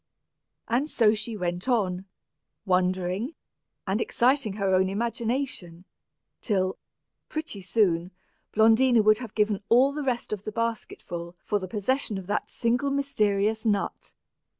And so she went on, wondering, and exciting her own imagination, till, pretty soon, Blondina would have given all the rest of the basketful for the possession of that single mysterious nut!